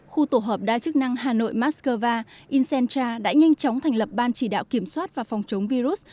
khu tổ hợp đa chức năng hà nội moscova incentra đã nhanh chóng thành lập ban chỉ đạo kiểm soát và phòng chống virus